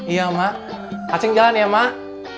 iya ma acing jalan ya mak